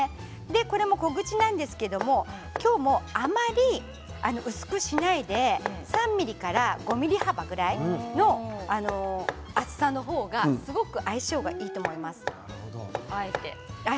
これも小口なんですけれど今日もあまり薄くしないで３ｍｍから５ｍｍ幅くらいの厚さの方がすごく相性がいいと思います。